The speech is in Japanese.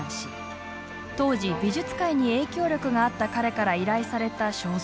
当時美術界に影響力があった彼から依頼された肖像画。